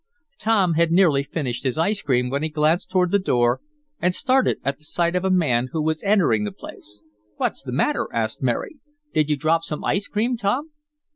Tom had nearly finished his ice cream when he glanced toward the door, and started at the sight of a man who was entering the place. "What's the matter?" asked Mary. "Did you drop some ice cream, Tom?"